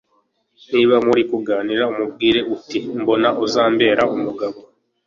niba muri kuganira umubwire uti mbona uzambera umugabo